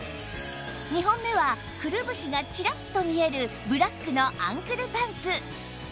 ２本目はくるぶしがチラッと見えるブラックのアンクルパンツ